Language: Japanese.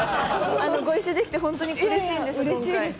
ご一緒できて、本当にうれしうれしいです。